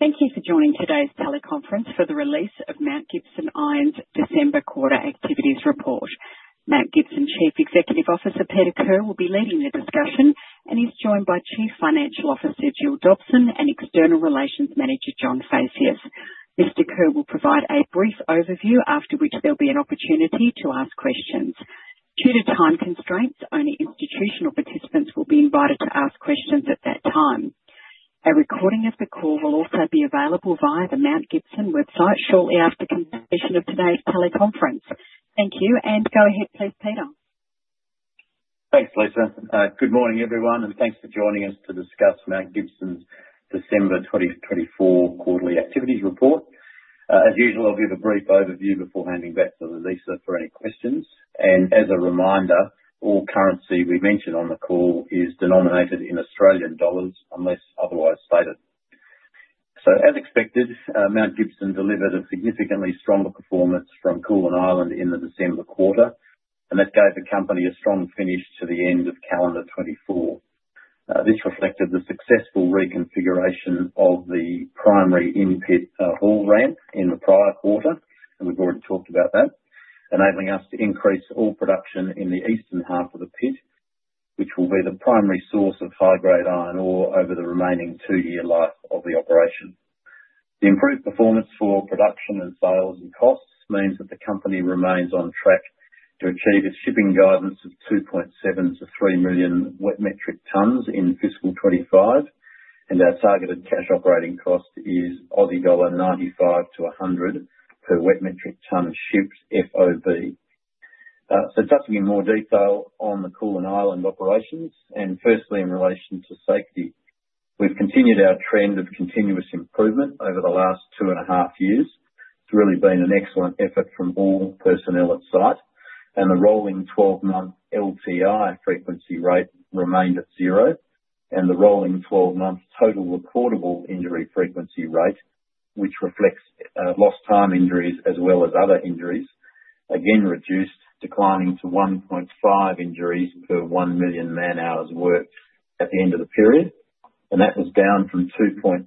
Thank you for joining today's teleconference for the release of Mount Gibson Iron's December quarter activities report. Mount Gibson Chief Executive Officer Peter Kerr will be leading the discussion, and he's joined by Chief Financial Officer Jill Dobson and External Relations Manager John Phaceas. Mr. Kerr will provide a brief overview, after which there'll be an opportunity to ask questions. Due to time constraints, only institutional participants will be invited to ask questions at that time. A recording of the call will also be available via the Mount Gibson website shortly after the completion of today's teleconference. Thank you, and go ahead please, Peter. Thanks, Lisa. Good morning, everyone, and thanks for joining us to discuss Mount Gibson's December 2024 quarterly activities report. As usual, I'll give a brief overview before handing back to Lisa for any questions. And as a reminder, all currency we mention on the call is denominated in Australian dollars unless otherwise stated. So, as expected, Mount Gibson delivered a significantly stronger performance from Koolan Island in the December quarter, and that gave the company a strong finish to the end of calendar 2024. This reflected the successful reconfiguration of the primary in-pit haul ramp in the prior quarter, and we've already talked about that, enabling us to increase ore production in the eastern half of the pit, which will be the primary source of high-grade iron ore over the remaining two-year life of the operation. The improved performance for production, sales, and costs means that the company remains on track to achieve its shipping guidance of 2.7 million-3 million wet metric tons in fiscal 2025, and our targeted cash operating cost is Aussie dollar 95- 100 per wet metric ton shipped FOB, so touching in more detail on the Koolan Island operations, and firstly in relation to safety, we've continued our trend of continuous improvement over the last two and a half years. It's really been an excellent effort from all personnel at site, and the rolling 12-month LTI frequency rate remained at zero, and the rolling 12-month total reportable injury frequency rate, which reflects lost time injuries as well as other injuries, again reduced, declining to 1.5 injuries per 1 million man-hours worked at the end of the period. That was down from 2.9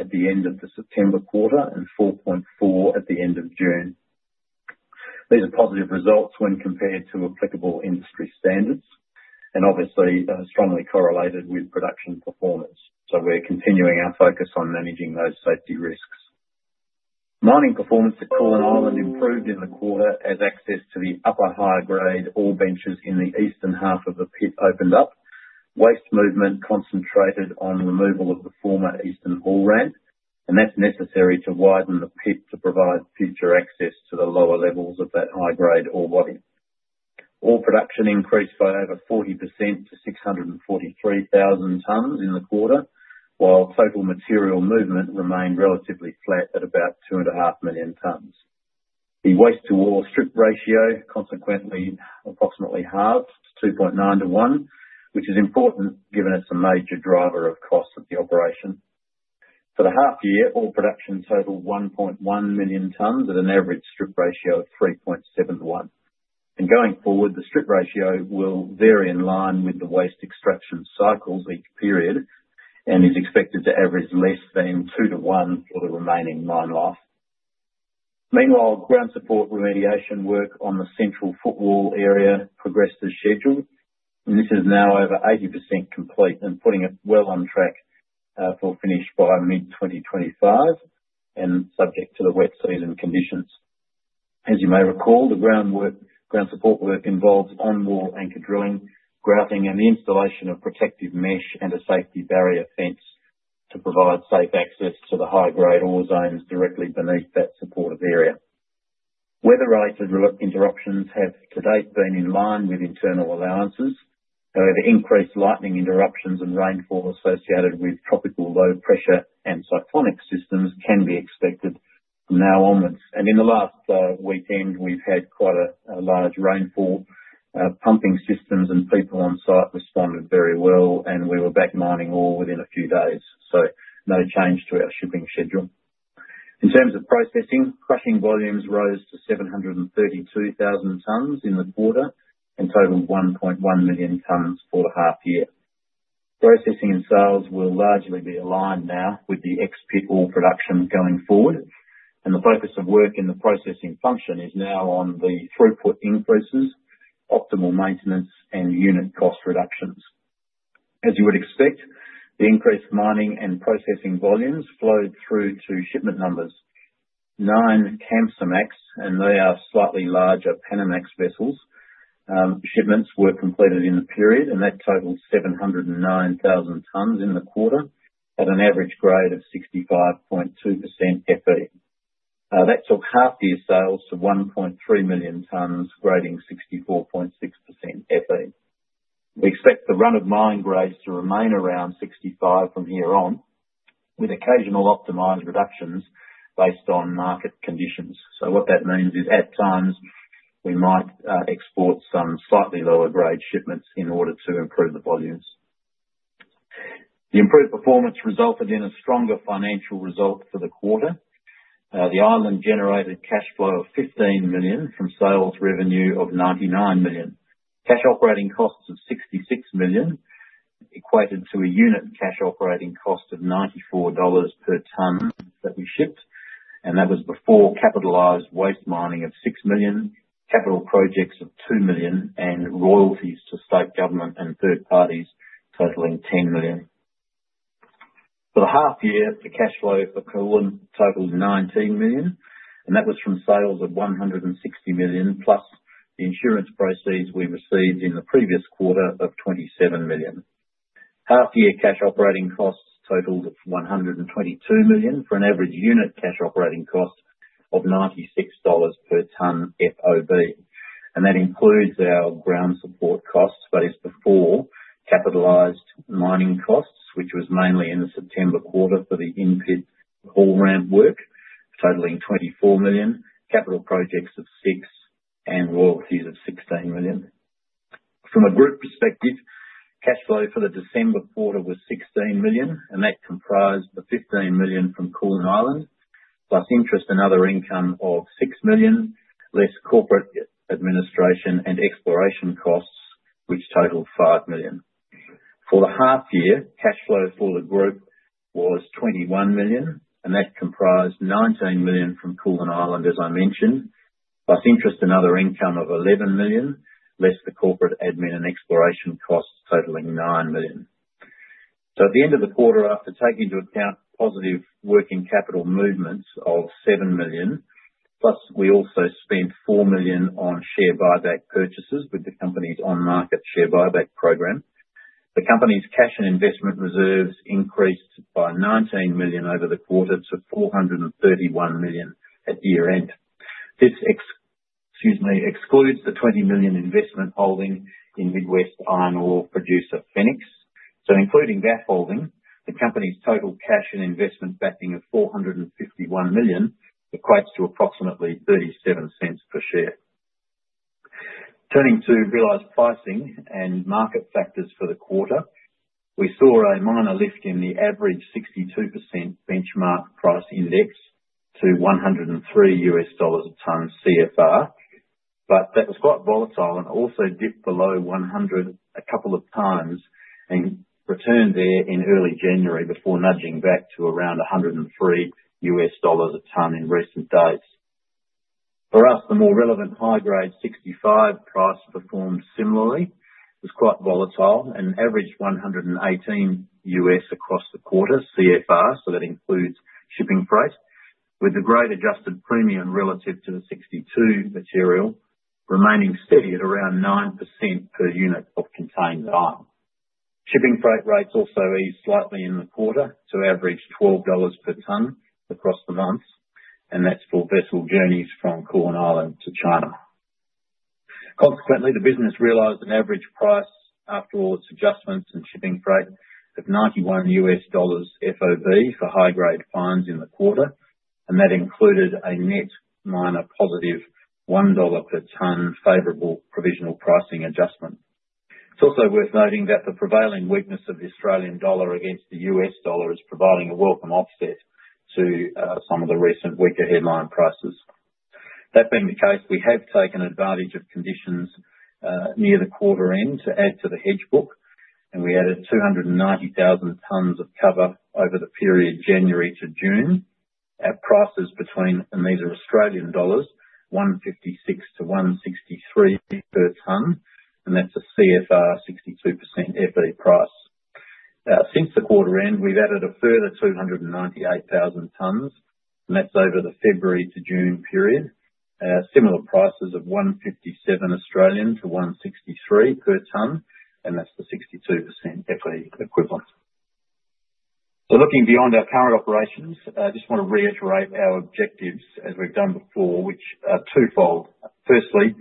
at the end of the September quarter and 4.4 at the end of June. These are positive results when compared to applicable industry standards, and obviously strongly correlated with production performance. We're continuing our focus on managing those safety risks. Mining performance at Koolan Island improved in the quarter as access to the upper high-grade ore benches in the eastern half of the pit opened up. Waste movement concentrated on removal of the former eastern haul ramp, and that's necessary to widen the pit to provide future access to the lower levels of that high-grade ore body. Ore production increased by over 40% to 643,000 tons in the quarter, while total material movement remained relatively flat at about 2.5 million tons. The waste-to-ore strip ratio consequently approximately halved to 2.9 to 1, which is important given it's a major driver of costs of the operation. For the half year, ore production totaled 1.1 million tons at an average strip ratio of 3.7 to 1. And going forward, the strip ratio will vary in line with the waste extraction cycles each period and is expected to average less than 2 to 1 for the remaining mine life. Meanwhile, ground support remediation work on the central footwall area progressed as scheduled, and this is now over 80% complete and putting it well on track for finish by mid-2025 and subject to the wet season conditions. As you may recall, the ground support work involves on-wall anchor drilling, grouting, and the installation of protective mesh and a safety barrier fence to provide safe access to the high-grade ore zones directly beneath that supportive area. Weather-related interruptions have to date been in line with internal allowances. However, increased lightning interruptions and rainfall associated with tropical low pressure and cyclonic systems can be expected from now onwards, and in the last weekend, we've had quite a large rainfall. Pumping systems and people on site responded very well, and we were back mining ore within a few days, so no change to our shipping schedule. In terms of processing, crushing volumes rose to 732,000 tons in the quarter and totaled 1.1 million tons for the half year. Processing and sales will largely be aligned now with the ex-pit ore production going forward, and the focus of work in the processing function is now on the throughput increases, optimal maintenance, and unit cost reductions. As you would expect, the increased mining and processing volumes flowed through to shipment numbers. Nine Kamsarmax, and they are slightly larger Panamax vessels, shipments were completed in the period, and that totaled 709,000 tons in the quarter at an average grade of 65.2% FE. That took half-year sales to 1.3 million tons, grading 64.6% FE. We expect the run-of-mine grades to remain around 65 from here on, with occasional optimized reductions based on market conditions, so what that means is at times we might export some slightly lower grade shipments in order to improve the volumes. The improved performance resulted in a stronger financial result for the quarter. The island generated cash flow of 15 million from sales revenue of 99 million. Cash operating costs of 66 million equated to a unit cash operating cost of $94 per ton that we shipped, and that was before capitalized waste mining of 6 million, capital projects of 2 million, and royalties to state government and third parties totaling 10 million. For the half year, the cash flow for Koolan totaled 19 million, and that was from sales of 160 million plus the insurance proceeds we received in the previous quarter of 27 million. Half-year cash operating costs totaled 122 million for an average unit cash operating cost of $96 per ton FOB, and that includes our ground support costs that is before capitalized mining costs, which was mainly in the September quarter for the in-pit haul ramp work, totaling 24 million, capital projects of 6, and royalties of 16 million. From a group perspective, cash flow for the December quarter was AUD 16 million, and that comprised the AUD 15 million from Koolan Island plus interest and other income of AUD 6 million, less corporate administration and exploration costs, which totaled AUD 5 million. For the half year, cash flow for the group was AUD 21 million, and that comprised AUD 19 million from Koolan Island, as I mentioned, plus interest and other income of 11 million, less the corporate admin and exploration costs totaling 9 million. So, at the end of the quarter, after taking into account positive working capital movements of 7 million, plus we also spent 4 million on share buyback purchases with the company's on-market share buyback program, the company's cash and investment reserves increased by 19 million over the quarter to 431 million at year-end. This excludes the 20 million investment holding in Midwest iron ore producer Fenix. So, including that holding, the company's total cash and investment backing of 451 million equates to approximately 0.37 per share. Turning to realized pricing and market factors for the quarter, we saw a minor lift in the average 62% benchmark price index to $103 a ton CFR, but that was quite volatile and also dipped below 100 a couple of times and returned there in early January before nudging back to around $103 a ton in recent days. For us, the more relevant high-grade 65 price performed similarly. It was quite volatile and averaged $118 across the quarter CFR, so that includes shipping freight, with the grade adjusted premium relative to the 62 material remaining steady at around 9% per unit of contained iron. Shipping freight rates also eased slightly in the quarter to average $12 per ton across the month, and that's for vessel journeys from Koolan Island to China. Consequently, the business realized an average price after all its adjustments and shipping freight of $91 FOB for high-grade fines in the quarter, and that included a net miner positive $1 per ton favorable provisional pricing adjustment. It's also worth noting that the prevailing weakness of the Australian dollar against the US dollar is providing a welcome offset to some of the recent weaker headline prices. That being the case, we have taken advantage of conditions near the quarter end to add to the hedge book, and we added 290,000 tons of cover over the period January to June. Our prices between, and these are Australian dollars, 156 to 163 per ton, and that's a CFR 62% Fe price. Since the quarter end, we've added a further 298,000 tons, and that's over the February to June period, similar prices of 157-163 per ton, and that's the 62% Fe equivalent. So, looking beyond our current operations, I just want to reiterate our objectives as we've done before, which are twofold. Firstly,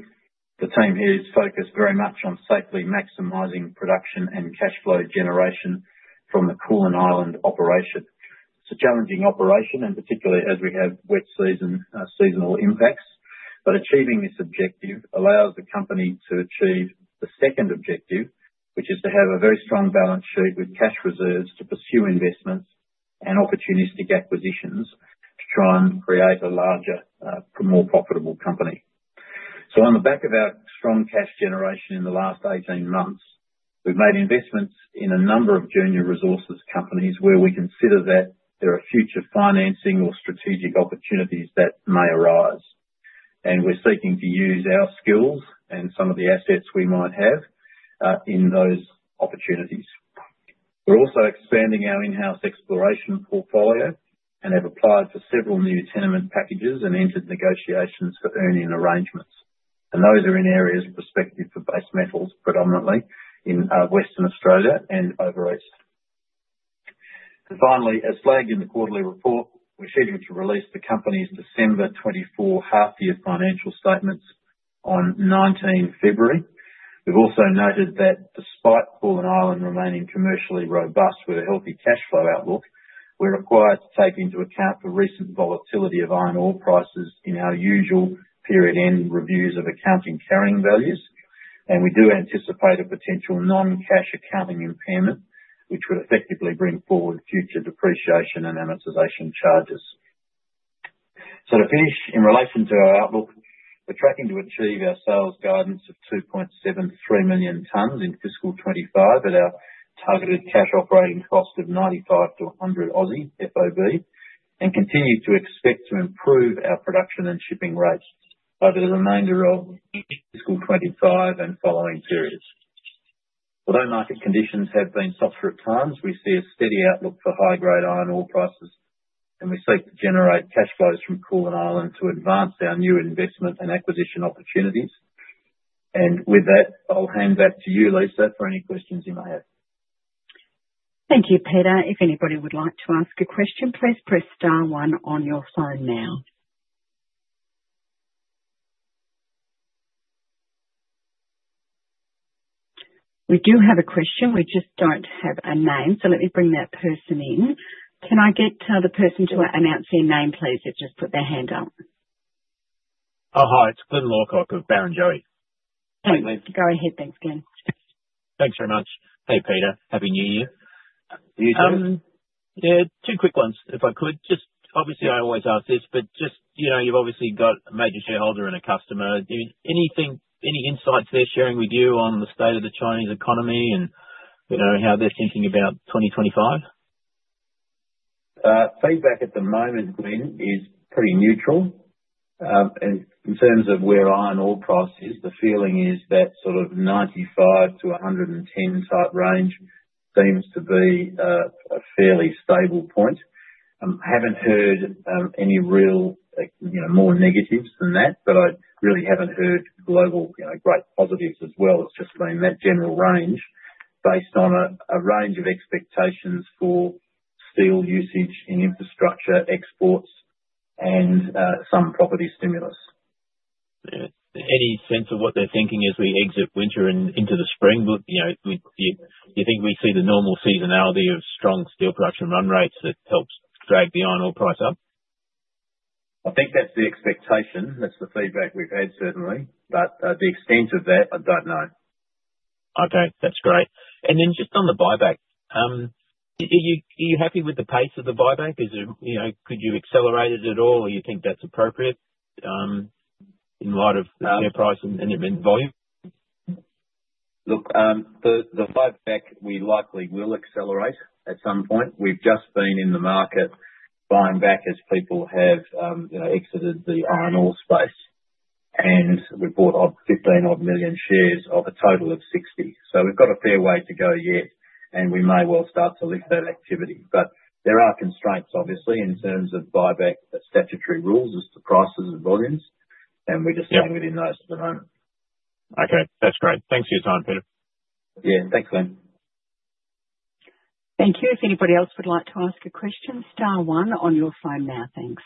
the team here is focused very much on safely maximizing production and cash flow generation from the Koolan Island operation. It's a challenging operation, and particularly as we have wet seasonal impacts, but achieving this objective allows the company to achieve the second objective, which is to have a very strong balance sheet with cash reserves to pursue investments and opportunistic acquisitions to try and create a larger, more profitable company. So, on the back of our strong cash generation in the last 18 months, we've made investments in a number of junior resources companies where we consider that there are future financing or strategic opportunities that may arise, and we're seeking to use our skills and some of the assets we might have in those opportunities. We're also expanding our in-house exploration portfolio and have applied for several new tenement packages and entered negotiations for earn-in arrangements. And those are in areas prospective for base metals predominantly in Western Australia and over east. And finally, as flagged in the quarterly report, we're scheduled to release the company's December 2024 half-year financial statements on 19 February. We've also noted that despite Koolan Island remaining commercially robust with a healthy cash flow outlook, we're required to take into account the recent volatility of iron ore prices in our usual period-end reviews of accounting carrying values, and we do anticipate a potential non-cash accounting impairment, which would effectively bring forward future depreciation and amortization charges. So, to finish, in relation to our outlook, we're tracking to achieve our sales guidance of 2.73 million tons in fiscal 2025 at our targeted cash operating cost of 95-100 FOB and continue to expect to improve our production and shipping rates over the remainder of fiscal 2025 and following periods. Although market conditions have been softer at times, we see a steady outlook for high-grade iron ore prices, and we seek to generate cash flows from Koolan Island to advance our new investment and acquisition opportunities. And with that, I'll hand back to you, Lisa, for any questions you may have. Thank you, Peter. If anybody would like to ask a question, please press star one on your phone now. We do have a question. We just don't have a name, so let me bring that person in. Can I get the person to announce their name, please? They've just put their hand up. Hi, it's Glyn Lawcock of Barrenjoey. Thank you. Go ahead. Thanks, Glyn. Thanks very much. Hey, Peter. Happy New Year. You too. Yeah, two quick ones, if I could. Obviously, I always ask this, but you've obviously got a major shareholder and a customer. Any insights they're sharing with you on the state of the Chinese economy and how they're thinking about 2025? Feedback at the moment, Glyn, is pretty neutral. In terms of where iron ore price is, the feeling is that sort of $95-$110 type range seems to be a fairly stable point. I haven't heard any real more negatives than that, but I really haven't heard global great positives as well. It's just been that general range based on a range of expectations for steel usage in infrastructure, exports, and some property stimulus. Any sense of what they're thinking as we exit winter and into the spring? Do you think we see the normal seasonality of strong steel production run rates that helps drag the iron ore price up? I think that's the expectation. That's the feedback we've had, certainly. But the extent of that, I don't know. Okay. That's great. And then just on the buyback, are you happy with the pace of the buyback? Could you accelerate it at all, or do you think that's appropriate in light of the share price and volume? Look, the buyback we likely will accelerate at some point. We've just been in the market buying back as people have exited the iron ore space, and we've bought 15-odd million shares of a total of 60. So we've got a fair way to go yet, and we may well start to lift that activity. But there are constraints, obviously, in terms of buyback statutory rules as to prices and volumes, and we're just staying within those at the moment. Okay. That's great. Thanks for your time, Peter. Yeah. Thanks, Glyn. Thank you. If anybody else would like to ask a question, star one on your phone now. Thanks.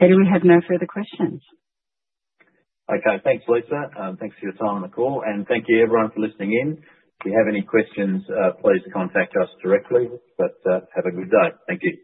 Peter, we have no further questions. Okay. Thanks, Lisa. Thanks for your time on the call, and thank you, everyone, for listening in. If you have any questions, please contact us directly, but have a good day. Thank you.